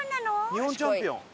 日本チャンピオン？